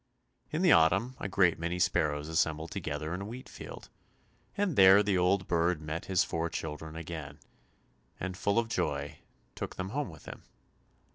In the autumn a great many sparrows assembled together in a wheatfield, and there the old bird met his four children again, and full of joy took them home with him.